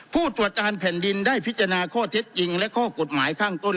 ผู้ตรวจการแผ่นดินได้พิจารณาข้อเท็จจริงและข้อกฎหมายข้างต้น